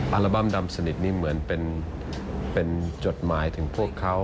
อัลบั้มดำสนิทนี่เหมือนเป็นจดหมายถึงพวกเขา